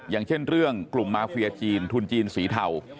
อย่างเช่นเรื่องกลุ่มมาเฟียจีนทุนจีนสีเทา